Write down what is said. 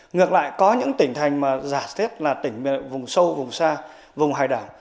ngược lại có những tỉnh thành mà giả thiết là vùng sâu vùng xa vùng hải đảo